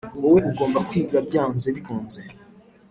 wowe ugomba kwiga byanze bikunze